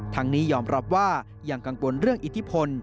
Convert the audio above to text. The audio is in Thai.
นี้ยอมรับว่ายังกังวลเรื่องอิทธิพล